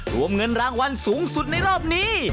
รวมเงินรางวัลสูงสุดในรอบนี้